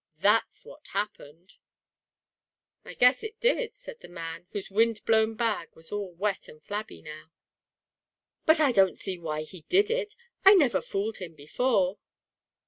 That's what happened!" "I guess it did," said the man, whose windblown bag was all wet and flabby now. "But I don't see why he did it. I never fooled him before!"